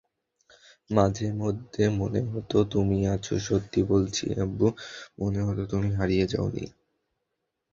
মাঝেমধ্যে মনে হতো, তুমি আছ—সত্যি বলছি আব্বু, মনে হতো তুমি হারিয়ে যাওনি।